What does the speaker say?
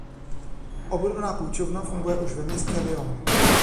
Obdobná půjčovna funguje už ve městě Lyon.